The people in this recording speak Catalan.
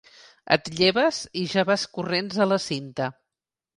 Et lleves i ja vas corrents a la cinta.